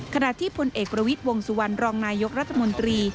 ขณะที่พลเอกรวิตวงสุวรรณรองนายกรรภ์รัฐมนตรี